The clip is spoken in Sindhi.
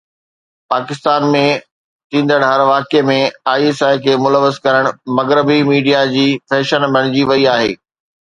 پاڪستان ۾ ٿيندڙ هر واقعي ۾ آءِ ايس آءِ کي ملوث ڪرڻ مغربي ميڊيا جي فيشن بڻجي وئي آهي